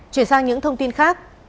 chuyển sang những thông tin khác